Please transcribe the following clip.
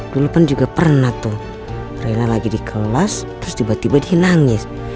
dulu pun juga pernah tuh reina lagi di kelas terus tiba tiba dia nangis